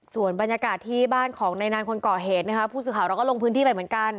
ส่วนบรรยากาศที่บ้านของนายนานคนก่อเหตุนะคะผู้สื่อข่าวเราก็ลงพื้นที่ไปเหมือนกัน